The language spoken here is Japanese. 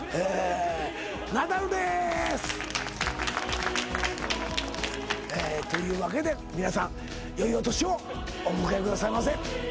ナダルです！というわけで皆さん良いお年をお迎えくださいませ。